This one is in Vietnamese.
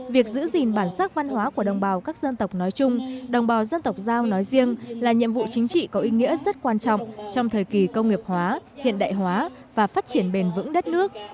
việc giữ gìn bản sắc văn hóa của đồng bào các dân tộc nói chung đồng bào dân tộc giao nói riêng là nhiệm vụ chính trị có ý nghĩa rất quan trọng trong thời kỳ công nghiệp hóa hiện đại hóa và phát triển bền vững đất nước